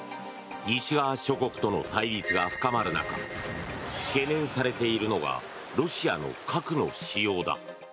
西側諸国との対立が深まる中懸念されているのがロシアの、核の使用だ。